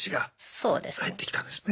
そうですね。